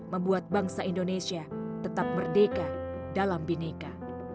membuat bangsa indonesia tetap merdeka dalam bineka